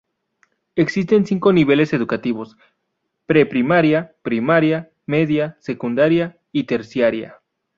Existen cinco niveles educativos: pre-primaria, primaria, media, secundaria y terciaria.